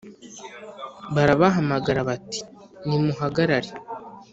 Barabahamagara bati “Nimuhagarare